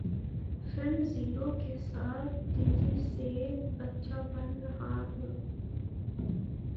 film Zero کے ساتھ تیزی سے بچہ بن رہا ہوں